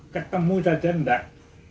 ketemu saja nggak